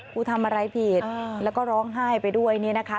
กูทำอะไรผิดแล้วก็ร้องไห้ไปด้วยนี่นะคะ